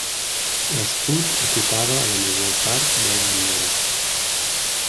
L'escut ocupava la major part de la bandera.